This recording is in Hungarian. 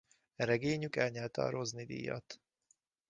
E regényük elnyerte a Rosny-díjat.